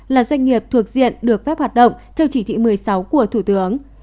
là doanh nghiệp thuộc diện được phép hoạt động theo chỉ thị một mươi sáu của thủ tướng